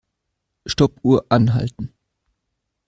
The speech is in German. Stoppuhr anhalten.